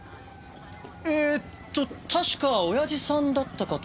えーっと確か親父さんだったかと。